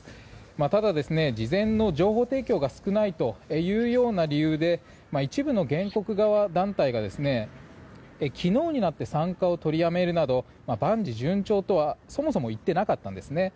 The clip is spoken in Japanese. ただ、事前の情報提供が少ないというような理由で一部の原告側の団体が昨日になって参加を取りやめるなど万事順調とは、そもそもいってなかったんですね。